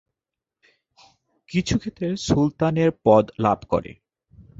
কিছু ক্ষেত্রে সুলতানের পদ লাভ করে।